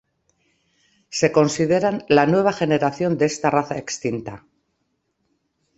Se consideran la nueva generación de esta raza extinta.